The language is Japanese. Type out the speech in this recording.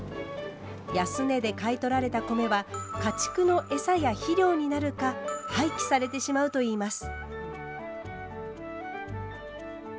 安値で買い取られた米は家畜の餌や肥料になるか廃棄されてしまうと言います。